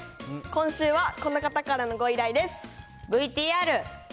今週はこの方からのご依頼です。